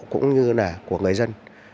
cũng như là của người dân